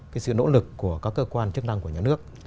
cái sự nỗ lực của các cơ quan chức năng của nhà nước